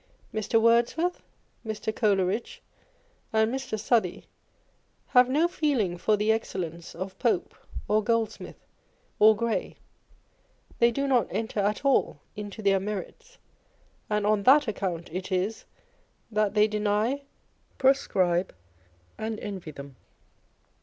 Mr. Words worth, Mr. Coleridge, and Mr. Southey have no feeling for the excellence of Pope, or Goldsmith, or Gray â€" they do not enter at all into their merits, and on that account it is that they deny, proscribe, and envy them.